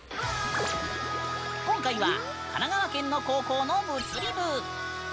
今回は神奈川県の高校の物理部！